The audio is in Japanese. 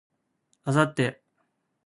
明後日は、休みです。